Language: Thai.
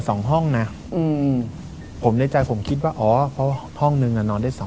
โจ๊ะไงโจ๊ะไงโจ๊ะไง